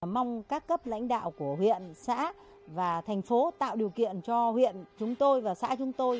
mong các cấp lãnh đạo của huyện xã và thành phố tạo điều kiện cho huyện chúng tôi và xã chúng tôi